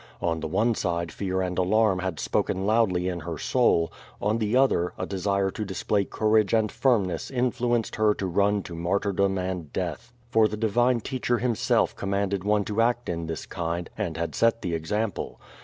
On the one side fear and alarm had spoken loudly in her soul; on the other a desire to display courage and firmness influenced her to run to martyrdom and death. For the di vine teacher himself commanded one to act in this kind, and had set the example.